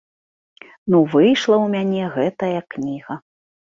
Ну выйшла ў мяне гэтая кніга.